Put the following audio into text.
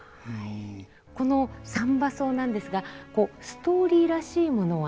この「三番叟」なんですがストーリーらしいものはなく。